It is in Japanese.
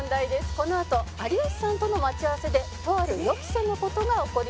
「このあと有吉さんとの待ち合わせでとある予期せぬ事が起こります」